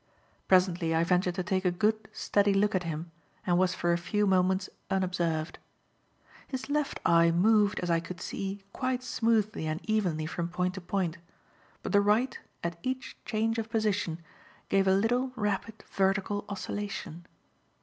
Presently I ventured to take a good, steady look at him and was for a few moments unobserved. His left eye moved, as I could see, quite smoothly and evenly from point to point; but the right, at each change of position, gave a little, rapid, vertical oscillation.